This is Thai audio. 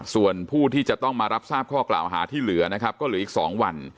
ส่วนผู้ที่จะต้องมารับทราบข้อกล่าวหาที่เหลือนะครับก็เหลืออีก๒วัน